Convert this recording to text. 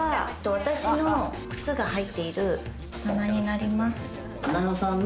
私の靴が入っている棚になります。